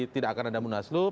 tidak akan ada munaslub